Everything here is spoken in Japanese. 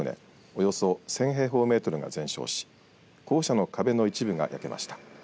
およそ１０００平方メートルが全焼し校舎の壁の一部が焼けました。